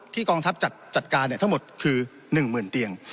ที่กองทัพจัดจัดการเนี่ยทั้งหมดคือหนึ่งหมื่นเตียง